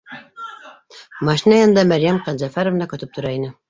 Машина янында Мәрйәм Ҡәнзәфәровна көтөп тора ине